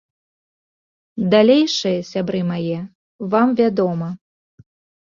Далейшае, сябры мае, вам вядома.